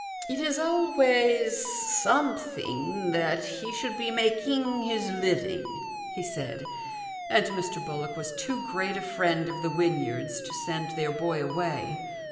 " It is always something that he should be making his living," he said, and Mr. Bullock was too great a friend of the Wynyards to send their boy away.